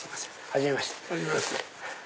はじめまして。